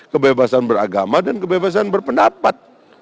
kebebasan beragama dan kebebasan berpendapat